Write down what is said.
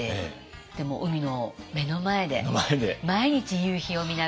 でもう海の目の前で毎日夕日を見ながら。